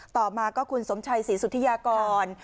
ต่อมาก็คุณสมชัยศรีสุธิยากร